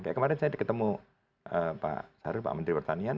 kayak kemarin saya ketemu pak sarul pak menteri pertanian